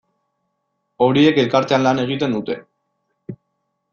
Horiek elkartean lan egiten dute.